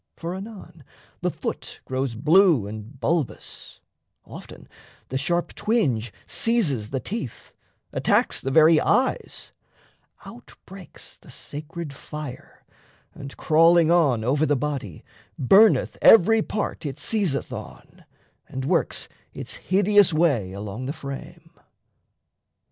For anon the foot Grows blue and bulbous; often the sharp twinge Seizes the teeth, attacks the very eyes; Out breaks the sacred fire, and, crawling on Over the body, burneth every part It seizeth on, and works its hideous way Along the frame.